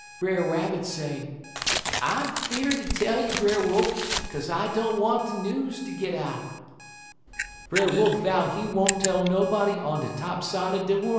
Brer Rabbit say: "'I'm fear'd ter tell you, Brer Wolf, 'kaze I don't want de news ter git out.' "Brer Wolf vow he won't tell nobody on de top side er de worl'.